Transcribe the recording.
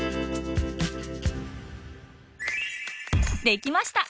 できました！